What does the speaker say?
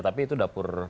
tapi itu dapur depan